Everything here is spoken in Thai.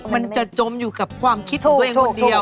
มันจะจมอยู่กับความคิดของตัวเองคนเดียว